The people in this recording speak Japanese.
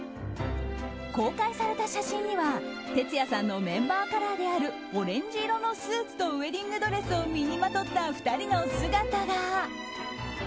公開された写真にはてつやさんのメンバーカラーであるオレンジ色のスーツとウェディングドレスを身にまとった２人の姿が。